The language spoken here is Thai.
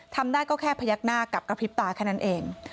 ทำได้ก็แค่พยักหน้ากับกระพริบตาแค่นั้นเอง